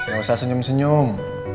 gak usah senyum senyum